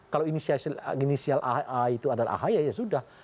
kalau inisial a itu adalah ahya ya sudah